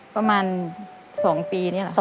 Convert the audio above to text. ประมาณ๒ปีเนี่ย